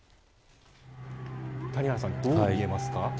谷原さん、どう見えますか。